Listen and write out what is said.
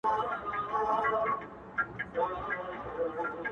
دوی د زړو آتشکدو کي؛ سرې اوبه وړي تر ماښامه؛